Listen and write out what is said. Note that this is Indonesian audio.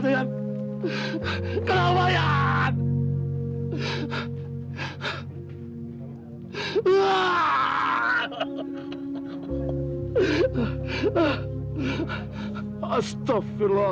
dengar manusia tolong